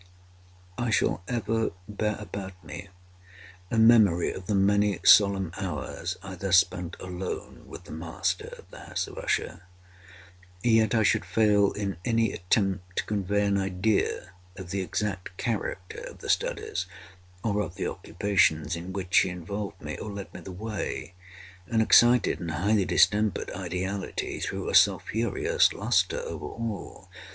I shall ever bear about me a memory of the many solemn hours I thus spent alone with the master of the House of Usher. Yet I should fail in any attempt to convey an idea of the exact character of the studies, or of the occupations, in which he involved me, or led me the way. An excited and highly distempered ideality threw a sulphureous lustre over all.